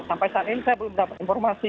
sampai saat ini saya belum dapat informasi